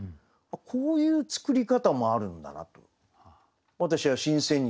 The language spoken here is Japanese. こういう作り方もあるんだなと私は新鮮に感じましたね。